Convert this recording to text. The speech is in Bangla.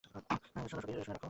শোনো শোনো সতীশ, শুনে রাখো।